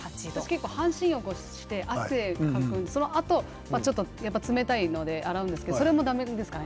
結構半身浴をして汗をかくので、そのあと冷たいので洗うんですけどそれもだめですか？